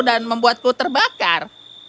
dan membuatku terbakar